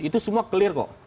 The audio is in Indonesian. itu semua clear kok